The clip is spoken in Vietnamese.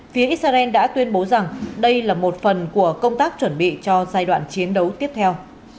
phía israel đã tuyên bố rằng đây là một phần của công tác chuẩn bị cho giai đoạn chiến đấu tiếp theo